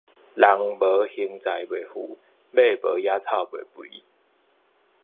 人無橫財袂富，馬無野草袂肥